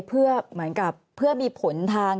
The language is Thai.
เหมือนกับเพื่อมีผลทาง